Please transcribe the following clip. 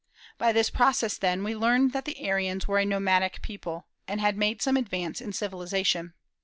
By this process, then, we learn that the Aryans were a nomadic people, and had made some advance in civilization.